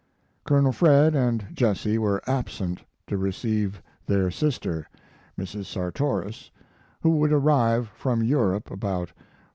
Colonel Fred and Jesse were absent to receive their sister, Mrs. Sartoris, who would arrive from Europe about 4.